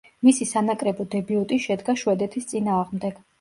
მისი სანაკრებო დებიუტი შედგა შვედეთის წინააღმდეგ.